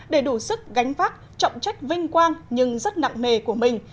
để đủ sức gánh vác trọng trách vinh quang nhưng rất nặng nề của mình